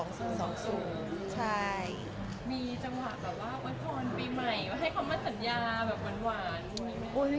มีจังหวะแบบวันทอนปีใหม่ให้เขามาสัญญาหวาน